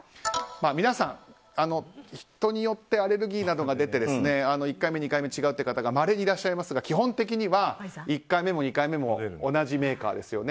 皆さん人によってアレルギーなどが出て１回目、２回目が違うという方がまれにいらっしゃいますが基本的には１回目も２回目も同じメーカーですよね。